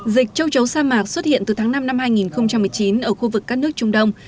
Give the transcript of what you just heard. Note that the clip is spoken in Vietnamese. dịch châu chấu sa mạc xuất hiện từ tháng năm năm hai nghìn một mươi chín ở khu vực các nước trung đông